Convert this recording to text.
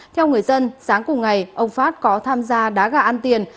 theo người dân sáng cùng ngày ông phát có tham gia đá gà ăn tiền